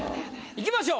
いきましょう。